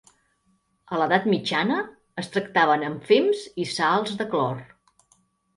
A l'Edat Mitjana es tractaven amb fems i sals de clor.